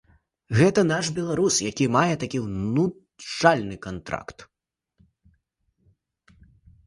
Гэта наш беларус, які мае такі ўнушальны кантракт.